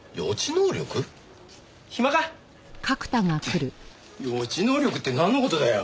暇か？って予知能力ってなんの事だよ？